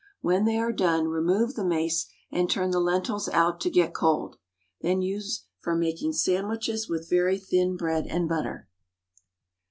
When they are done remove the mace and turn the lentils out to get cold. Then use for making sandwiches with very thin bread and butter.